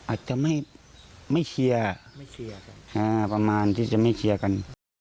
อาจจะไม่เชียร์ประมาณที่จะไม่เชียร์กัน